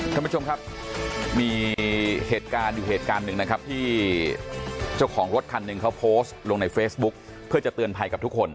ท่านผู้ชมครับมีเหตุการณ์อยู่เหตุการณ์หนึ่งนะครับที่เจ้าของรถคันหนึ่งเขาโพสต์ลงในเฟซบุ๊คเพื่อจะเตือนภัยกับทุกคน